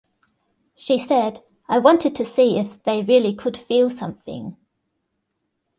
She said, I wanted to see if they really could feel something.